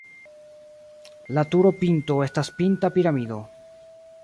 La turopinto estas pinta piramido.